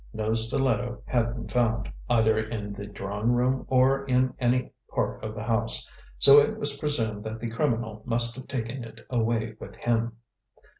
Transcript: No stiletto had been found, either in the drawing room or in any part of the house, so it was presumed that the criminal must have taken it away with him.